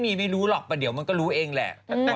มีไม่รู้หรอกแต่เดี๋ยวมันก็รู้เองแหละ